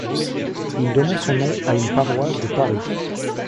Il donna son nom à une paroisse de Paris.